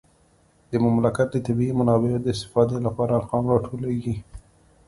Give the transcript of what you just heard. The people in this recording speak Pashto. د مملکت د طبیعي منابعو د استفادې لپاره ارقام راټولیږي